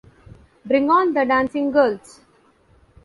Bring on the dancing girls!